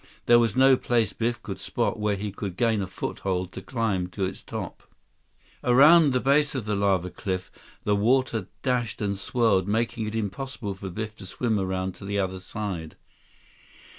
There was no place Biff could spot where he could gain a foothold to climb to its top. Around the base of the lava cliff, the water dashed and swirled, making it impossible for Biff to swim around to the other side.